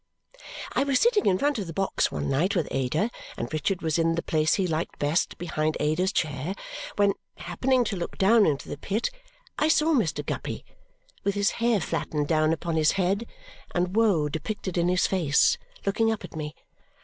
I was sitting in front of the box one night with Ada, and Richard was in the place he liked best, behind Ada's chair, when, happening to look down into the pit, I saw Mr. Guppy, with his hair flattened down upon his head and woe depicted in his face, looking up at me.